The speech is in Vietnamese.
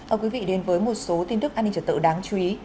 mời quý vị đến với một số tin tức an ninh trật tự đáng chú ý